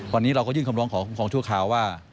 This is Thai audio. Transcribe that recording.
วันนี้เราก็ยื่นคำร้องขอคุ้มครองชั่วคราวว่า